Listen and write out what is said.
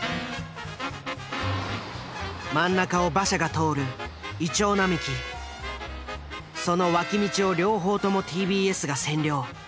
真ん中を馬車が通るその脇道を両方ともＴＢＳが占領。